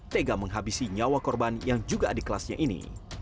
tega menghabisi nyawa korban yang juga adik kelasnya ini